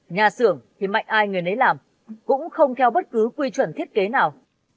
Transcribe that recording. nhà xưởng thì mạnh ai người nấy làm cũng không theo bất cứ quy chuẩn thiết kế nào